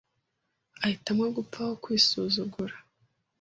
Ahitamo gupfa aho kwisuzugura.